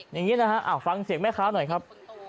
อย่างนี้นะฮะฟังเสียงแม่ค้าหน่อยครับ